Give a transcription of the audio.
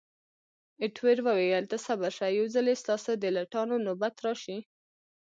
ایټور وویل، ته صبر شه، یو ځلي ستاسو د لټانو نوبت راشي.